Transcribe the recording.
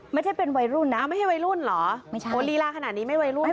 ไม่ได้เป็นวัยรุ่นนะไม่ใช่วัยรุ่นเหรอโหลีล่าขนาดนี้ไม่วัยรุ่นเหรอ